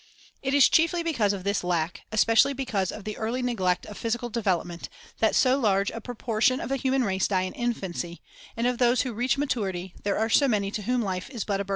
It is chiefly because of this lack, especially because of the early neglect of physical development, that so large a proportion of the human race die in infancy, and of those who reach maturity there are so many to whom life is but a burden.